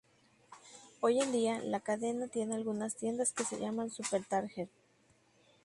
Hoy en día, la cadena tiene algunas tiendas que se llaman "Super Target".